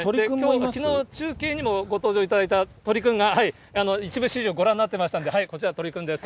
きのう中継にもご登場いただいた鳥くんが一部始終をご覧になっていましたんで、こちら、鳥くんです。